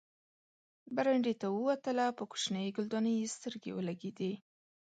برنډې ته ووتله، په کوچنۍ ګلدانۍ یې سترګې ولګېدې.